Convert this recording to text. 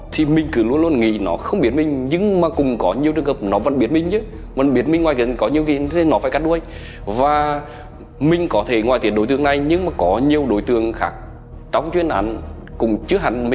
thông tin có nhiều đối tượng khác